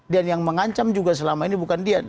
dan yang mengancam juga selama ini bukan dia